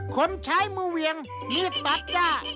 คนใช้มือเวียงมีดตัดย่า